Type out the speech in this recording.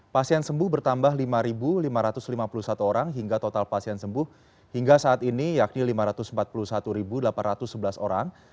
pasien sembuh bertambah lima lima ratus lima puluh satu orang hingga total pasien sembuh hingga saat ini yakni lima ratus empat puluh satu delapan ratus sebelas orang